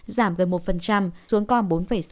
giảm gần một xuống còn bốn sáu